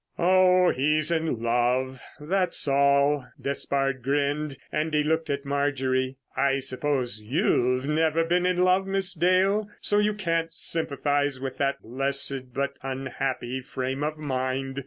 "Oh, he's in love, that's all," Despard grinned. And he looked at Marjorie. "I suppose you've never been in love, Miss Dale, so you can't sympathise with that blessed but unhappy frame of mind."